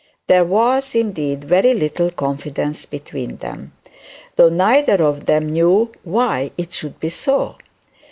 There was, indeed, very little confidence between them, though neither of them knew why it should be so.